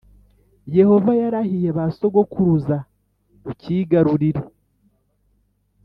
Yehova yarahiye ba sokuruza, ucyigarurire.